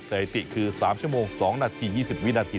สถิติคือ๓ชั่วโมง๒นาที๒๐วินาที